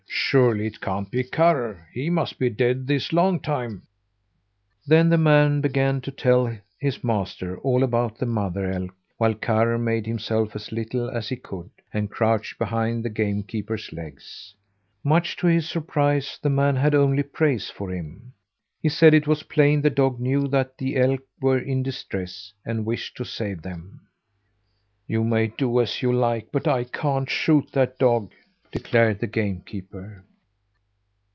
"Surely it can't be Karr? He must be dead this long time!" Then the man began to tell his master all about the mother elk, while Karr made himself as little as he could, and crouched behind the game keeper's legs. Much to his surprise the man had only praise for him. He said it was plain the dog knew that the elk were in distress, and wished to save them. "You may do as you like, but I can't shoot that dog!" declared the game keeper.